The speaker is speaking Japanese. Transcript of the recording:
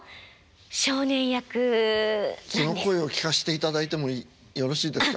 その声を聞かせていただいてもよろしいですか？